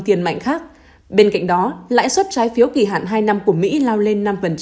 tiền mạnh khác bên cạnh đó lãi suất trái phiếu kỳ hạn hai năm của mỹ lao lên năm